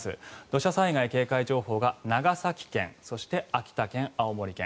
土砂災害警戒情報が長崎県そして、秋田県、青森県。